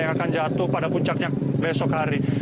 yang akan jatuh pada puncaknya besok hari